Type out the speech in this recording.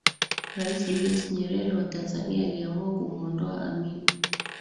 Raisi Julius Nyerere wa Tanzania aliamua kumwondoa Amin